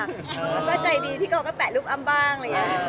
คำลังใจดีที่เขาก็แปะรูปอ้ำบ้าง